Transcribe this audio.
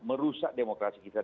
merusak demokrasi kita